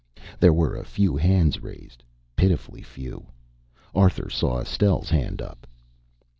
There were a few hands raised pitifully few. Arthur saw Estelle's hand up.